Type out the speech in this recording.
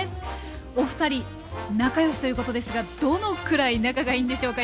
おふたり仲よしということですがどのくらい仲がいいんでしょうか？